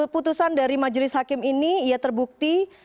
putusan dari majelis hakim ini ya terbukti